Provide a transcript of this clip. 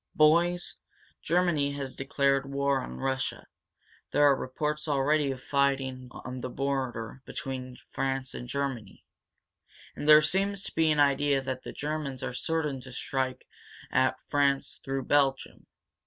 Boys, Germany has declared war on Russia. There are reports already of fighting on the border between France and Germany. And there seems to be an idea that the Germans are certain to strike at France through Belgium.